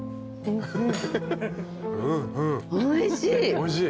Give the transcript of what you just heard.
おいしい？